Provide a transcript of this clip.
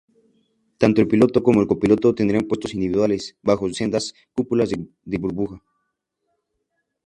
Tanto el piloto como el copiloto tendrían puestos individuales, bajo sendas cúpulas de burbuja.